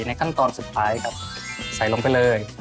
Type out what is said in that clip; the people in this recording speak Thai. ในขั้นตอนสุดท้ายครับใส่ลงไปเลย